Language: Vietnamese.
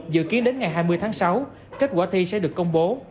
dự kiến đến ngày hai mươi tháng sáu kết quả thi sẽ được công bố